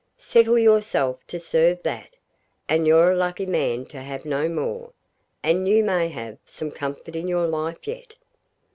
Settle yourself to serve that and you're a lucky man to have no more and you may have some comfort in your life yet.'